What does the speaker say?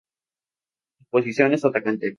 Su posición es atacante.